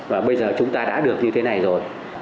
và bây giờ chúng ta đã được như thế này rồi